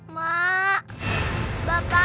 nanti kamu ketakutan sendiri